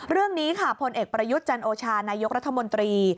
เรื่องนี้ค่ะพลเอกประยุทธ์จันโอชานายกรัฐมนตรี